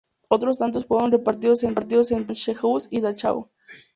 Otros tantos fueron repartidos entre Sachsenhausen y Dachau.